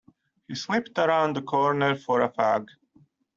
He slipped around the corner for a fag.